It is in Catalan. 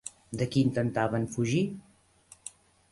De qui intentaven fugir?